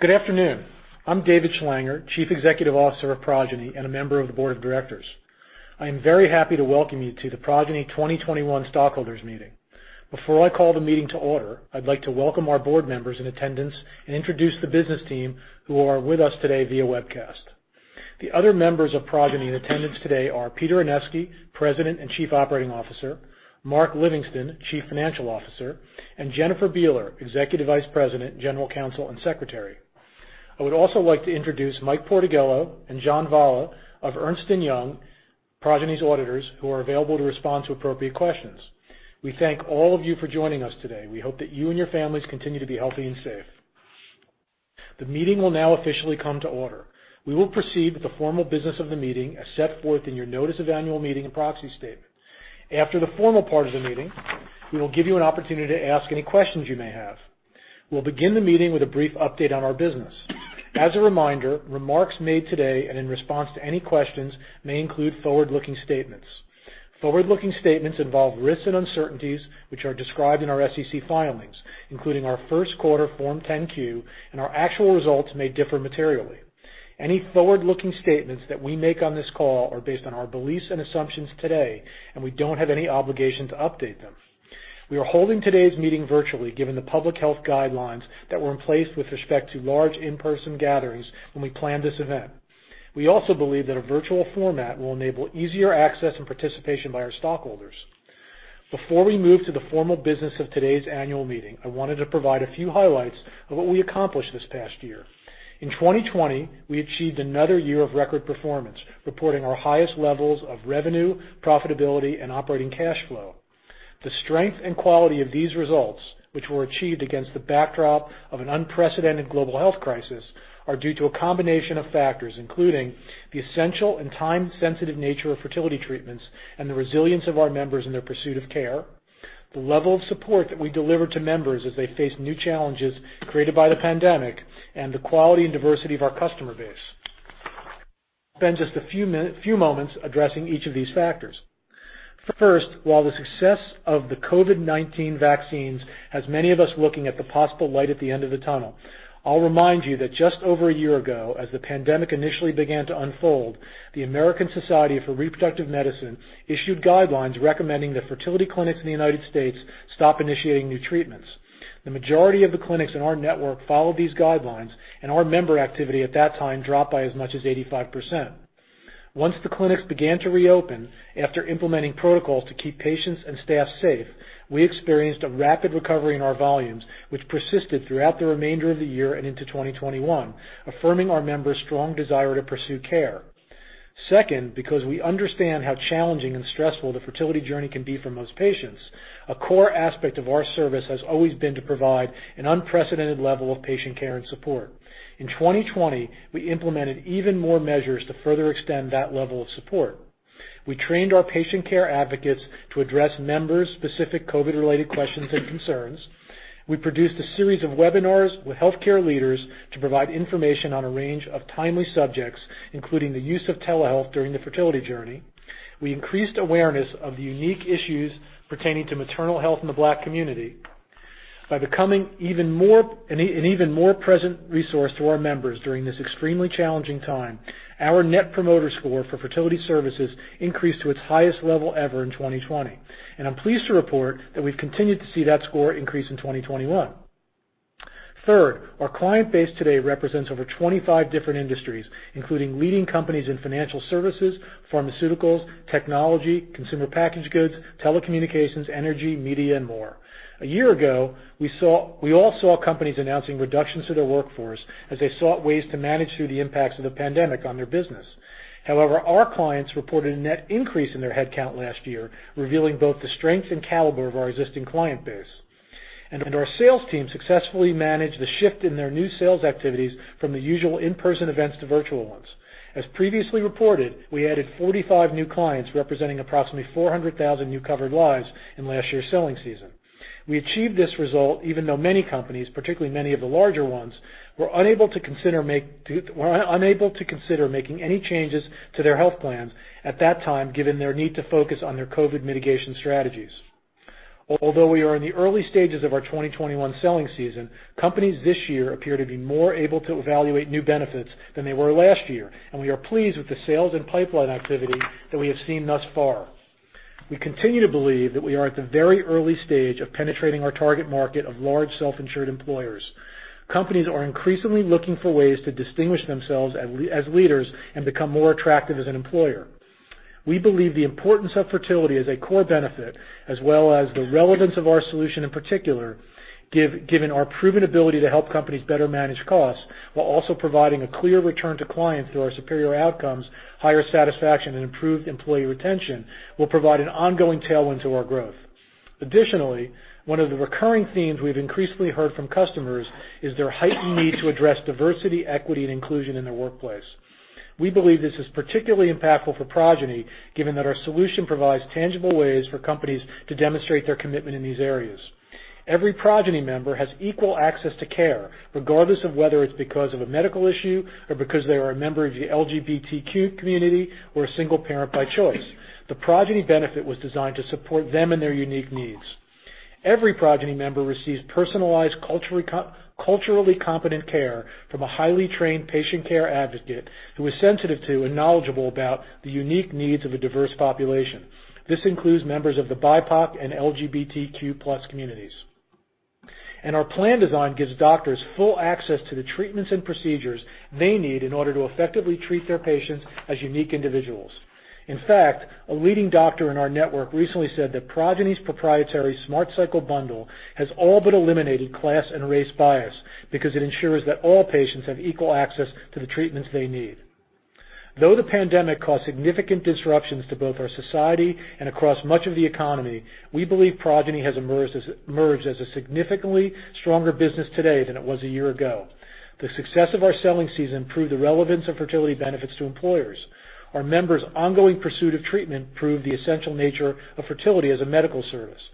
Good afternoon. I'm David Schlanger, Chief Executive Officer of Progyny and a member of the Board of Directors. I'm very happy to welcome you to the Progyny 2021 stockholders meeting. Before I call the meeting to order, I'd like to welcome our Board members in attendance and introduce the business team who are with us today via webcast. The other members of Progyny in attendance today are Peter Anevski, President and Chief Operating Officer, Mark Livingston, Chief Financial Officer, and Jennifer Bealer, Executive Vice President, General Counsel, and Secretary. I would also like to introduce Mike Portegello and John Valla of Ernst & Young, Progyny's auditors, who are available to respond to appropriate questions. We thank all of you for joining us today. We hope that you and your families continue to be healthy and safe. The meeting will now officially come to order. We will proceed with the formal business of the meeting as set forth in your notice of annual meeting and proxy statement. After the formal part of the meeting, we will give you an opportunity to ask any questions you may have. We'll begin the meeting with a brief update on our business. As a reminder, remarks made today and in response to any questions may include forward-looking statements. Forward-looking statements involve risks and uncertainties, which are described in our SEC filings, including our first quarter Form 10-Q, and our actual results may differ materially. Any forward-looking statements that we make on this call are based on our beliefs and assumptions today, and we don't have any obligation to update them. We are holding today's meeting virtually given the public health guidelines that were in place with respect to large in-person gatherings when we planned this event. We also believe that a virtual format will enable easier access and participation by our stockholders. Before we move to the formal business of today's annual meeting, I wanted to provide a few highlights of what we accomplished this past year. In 2020, we achieved another year of record performance, reporting our highest levels of revenue, profitability, and operating cash flow. The strength and quality of these results, which were achieved against the backdrop of an unprecedented global health crisis, are due to a combination of factors, including the essential and time-sensitive nature of fertility treatments and the resilience of our members in their pursuit of care, the level of support that we deliver to members as they face new challenges created by the pandemic, and the quality and diversity of our customer base. Spend just a few moments addressing each of these factors. First, while the success of the COVID-19 vaccines has many of us looking at the possible light at the end of the tunnel, I'll remind you that just over a year ago, as the pandemic initially began to unfold, the American Society for Reproductive Medicine issued guidelines recommending that fertility clinics in the United States stop initiating new treatments. The majority of the clinics in our network followed these guidelines, and our member activity at that time dropped by as much as 85%. Once the clinics began to reopen after implementing protocols to keep patients and staff safe, we experienced a rapid recovery in our volumes, which persisted throughout the remainder of the year and into 2021, affirming our members' strong desire to pursue care. Second, because we understand how challenging and stressful the fertility journey can be for most patients, a core aspect of our service has always been to provide an unprecedented level of patient care and support. In 2020, we implemented even more measures to further extend that level of support. We trained our patient care advocates to address members' specific COVID-related questions and concerns. We produced a series of webinars with healthcare leaders to provide information on a range of timely subjects, including the use of telehealth during the fertility journey. We increased awareness of the unique issues pertaining to maternal health in the Black community. By becoming an even more present resource to our members during this extremely challenging time, our Net Promoter Score for fertility services increased to its highest level ever in 2020, and I'm pleased to report that we've continued to see that score increase in 2021. Third, our client base today represents over 25 different industries, including leading companies in financial services, pharmaceuticals, technology, consumer packaged goods, telecommunications, energy, media, and more. A year ago, we all saw companies announcing reductions to their workforce as they sought ways to manage through the impacts of the pandemic on their business. However, our clients reported a net increase in their headcount last year, revealing both the strength and caliber of our existing client base. Our sales team successfully managed the shift in their new sales activities from the usual in-person events to virtual ones. As previously reported, we added 45 new clients, representing approximately 400,000 new covered lives in last year's selling season. We achieved this result even though many companies, particularly many of the larger ones, were unable to consider making any changes to their health plans at that time, given their need to focus on their COVID mitigation strategies. Although we are in the early stages of our 2021 selling season, companies this year appear to be more able to evaluate new benefits than they were last year, and we are pleased with the sales and pipeline activity that we have seen thus far. We continue to believe that we are at the very early stage of penetrating our target market of large self-insured employers. Companies are increasingly looking for ways to distinguish themselves as leaders and become more attractive as an employer. We believe the importance of fertility as a core benefit, as well as the relevance of our solution in particular, given our proven ability to help companies better manage costs while also providing a clear return to clients through our superior outcomes, higher satisfaction, and improved employee retention, will provide an ongoing tailwind to our growth. Additionally, one of the recurring themes we've increasingly heard from customers is their heightened need to address diversity, equity, and inclusion in their workplace. We believe this is particularly impactful for Progyny, given that our solution provides tangible ways for companies to demonstrate their commitment in these areas. Every Progyny member has equal access to care, regardless of whether it's because of a medical issue or because they are a member of the LGBTQ community or a single parent by choice. The Progyny benefit was designed to support them and their unique needs. Every Progyny member receives personalized, culturally competent care from a highly trained patient care advocate who is sensitive to and knowledgeable about the unique needs of a diverse population. This includes members of the BIPOC and LGBTQ+ communities. Our plan design gives doctors full access to the treatments and procedures they need in order to effectively treat their patients as unique individuals. In fact, a leading doctor in our network recently said that Progyny's proprietary Smart Cycle bundle has all but eliminated class and race bias because it ensures that all patients have equal access to the treatments they need. Though the pandemic caused significant disruptions to both our society and across much of the economy, we believe Progyny has emerged as a significantly stronger business today than it was a year ago. The success of our selling season proved the relevance of fertility benefits to employers. Our members' ongoing pursuit of treatment proved the essential nature of fertility as a medical service.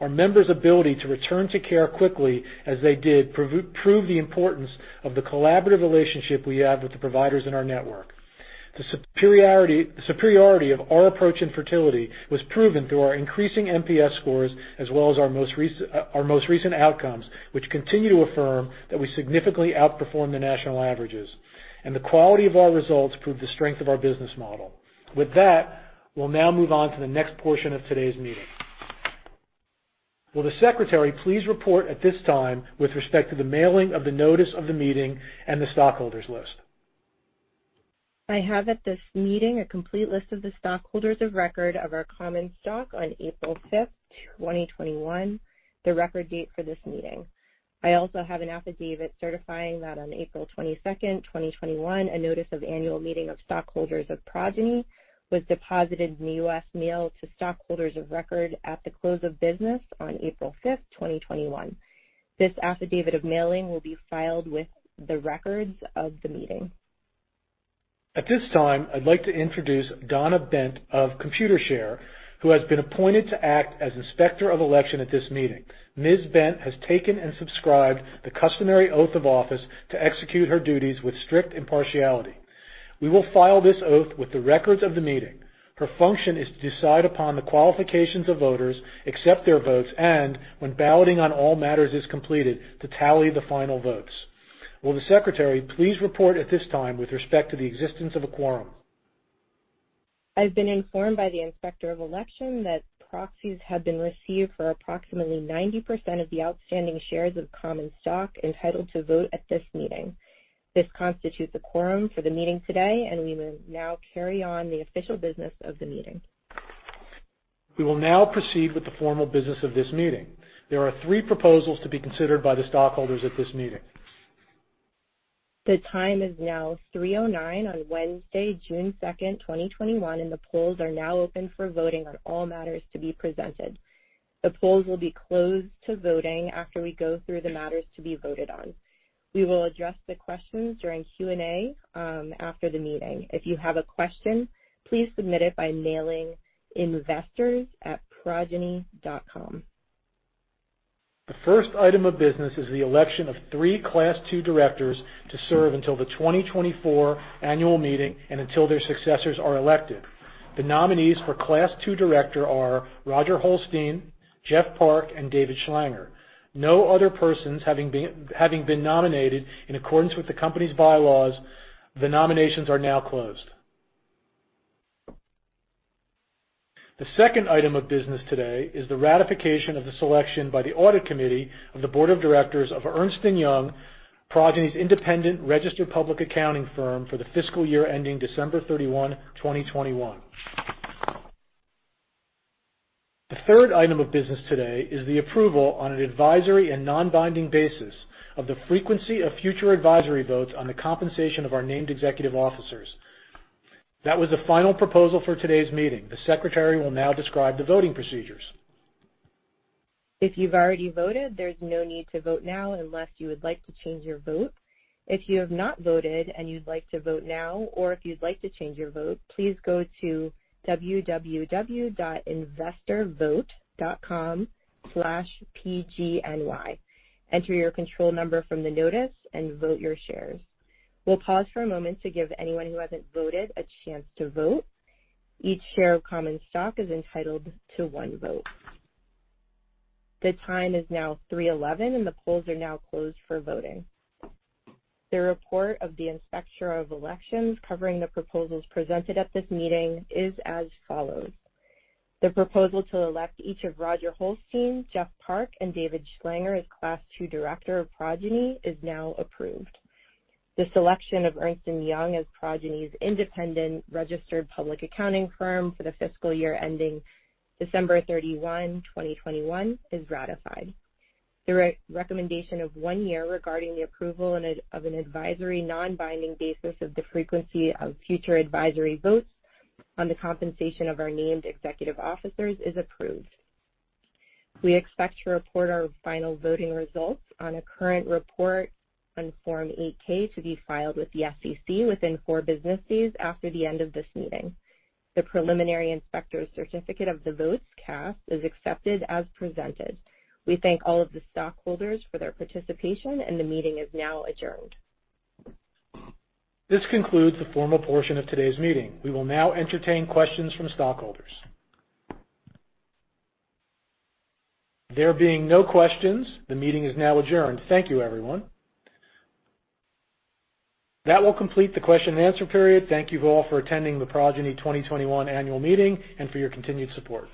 Our members' ability to return to care quickly as they did, proved the importance of the collaborative relationship we have with the providers in our network. The superiority of our approach in fertility was proven through our increasing NPS scores as well as our most recent outcomes, which continue to affirm that we significantly outperform the national averages. The quality of our results proved the strength of our business model. With that, we'll now move on to the next portion of today's meeting. Will the secretary please report at this time with respect to the mailing of the notice of the meeting and the stockholders list? I have at this meeting a complete list of the stockholders of record of our common stock on April 5th, 2021, the record date for this meeting. I also have an affidavit certifying that on April 22nd, 2021, a notice of annual meeting of stockholders of Progyny was deposited in the U.S. mail to stockholders of record at the close of business on April 5th, 2021. This affidavit of mailing will be filed with the records of the meeting. At this time, I'd like to introduce Donna Bent of Computershare, who has been appointed to act as Inspector of Election at this meeting. Ms. Bent has taken and subscribed the customary oath of office to execute her duties with strict impartiality. We will file this oath with the records of the meeting. Her function is to decide upon the qualifications of voters, accept their votes, and when balloting on all matters is completed, to tally the final votes. Will the secretary please report at this time with respect to the existence of a quorum? I've been informed by the Inspector of Election that proxies have been received for approximately 90% of the outstanding shares of common stock entitled to vote at this meeting. This constitutes a quorum for the meeting today, and we will now carry on the official business of the meeting. We will now proceed with the formal business of this meeting. There are three proposals to be considered by the stockholders at this meeting. The time is now 3:09 P.M. on Wednesday, June 2nd, 2021, and the polls are now open for voting on all matters to be presented. The polls will be closed to voting after we go through the matters to be voted on. We will address the questions during Q&A after the meeting. If you have a question, please submit it by mailing investors@progyny.com. The first item of business is the election of three Class II directors to serve until the 2024 annual meeting and until their successors are elected. The nominees for Class II director are Roger Holstein, Jeff Park, and David Schlanger. No other persons having been nominated in accordance with the company's bylaws, the nominations are now closed. The second item of business today is the ratification of the selection by the Audit Committee and the Board of Directors of Ernst & Young, Progyny's independent registered public accounting firm for the fiscal year ending December 31, 2021. The third item of business today is the approval on an advisory and non-binding basis of the frequency of future advisory votes on the compensation of our named executive officers. That was the final proposal for today's meeting. The secretary will now describe the voting procedures. If you've already voted, there's no need to vote now unless you would like to change your vote. If you have not voted and you'd like to vote now or if you'd like to change your vote, please go to www.investorvote.com/pgny. Enter your control number from the notice and vote your shares. We'll pause for a moment to give anyone who hasn't voted a chance to vote. Each share of common stock is entitled to one vote. The time is now 3:11 P.M., and the polls are now closed for voting. The report of the Inspector of Election covering the proposals presented at this meeting is as follows. The proposal to elect each of Roger Holstein, Jeff Park, and David Schlanger as Class II director of Progyny is now approved. The selection of Ernst & Young as Progyny's independent registered public accounting firm for the fiscal year ending December 31, 2021 is ratified. The recommendation of one year regarding the approval of an advisory non-binding basis of the frequency of future advisory votes on the compensation of our named executive officers is approved. We expect to report our final voting results on a current report on Form 8-K to be filed with the SEC within four business days after the end of this meeting. The preliminary inspector's certificate of the votes cast is accepted as presented. We thank all of the stockholders for their participation and the meeting is now adjourned. This concludes the formal portion of today's meeting. We will now entertain questions from stockholders. There being no questions, the meeting is now adjourned. Thank you, everyone. That will complete the question and answer period. Thank you all for attending the Progyny 2021 annual meeting and for your continued support.